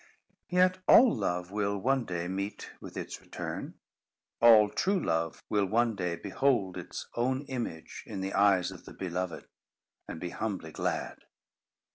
Yet all love will, one day, meet with its return. All true love will, one day, behold its own image in the eyes of the beloved, and be humbly glad.